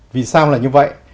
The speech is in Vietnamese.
vì sao là như vậy